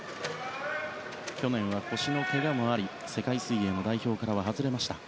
去年は腰のけがもあり世界水泳の代表からは外れました。